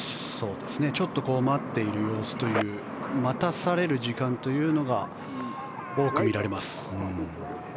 ちょっと待っている様子という待たされる時間というのが多く見られます。